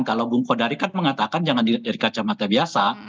kalau bung kodari kan mengatakan jangan dari kacamata biasa